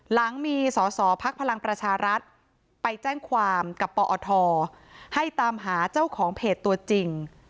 หลังมีสอสอพักพลังประชารัฐไปแจ้งความกับปอทให้ตามหาเจ้าของเพจตัวจริง